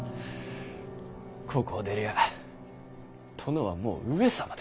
ここを出りゃ殿はもう上様です。